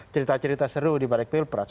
cerita cerita seru dibalik pilpres